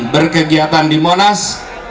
berkegiatan di monas